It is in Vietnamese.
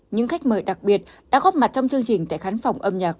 những khách mời đặc biệt đã góp mặt trong chương trình tại khán phòng âm nhạc